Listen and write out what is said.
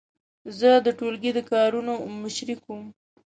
زه د ټولګي د کارونو مشري کوم.